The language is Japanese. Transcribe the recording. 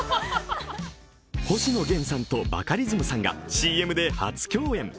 星野源さんとバカリズムさんがＣＭで初共演。